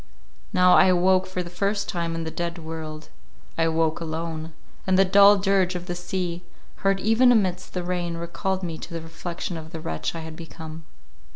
Now I awoke for the first time in the dead world—I awoke alone—and the dull dirge of the sea, heard even amidst the rain, recalled me to the reflection of the wretch I had become.